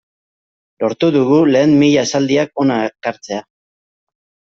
Lortu dugu lehen mila esaldiak hona ekartzea.